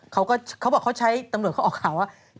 เขาบอกตำรวจเขาออกราวว่า